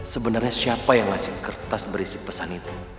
sebenarnya siapa yang ngasih kertas berisi pesan itu